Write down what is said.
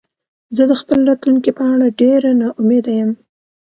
زه د خپل راتلونکې په اړه ډېره نا امیده یم